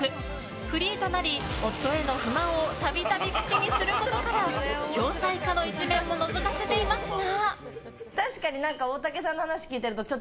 フリーとなり、夫への不満を度々、口にすることから恐妻家の一面ものぞかせていますが。